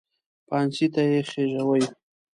پانسۍ ته یې خېژاوې.